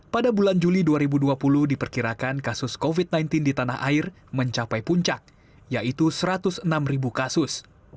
pada bulan juli dua ribu dua puluh diperkirakan kasus covid sembilan belas di tanah air mencapai puncak yaitu satu ratus enam kasus